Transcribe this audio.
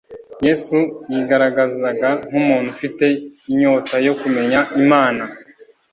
Yesu yigaragazaga nk'umuntu ufite inyota yo kumenya Imana.